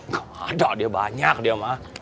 nggak ada dia banyak dia mah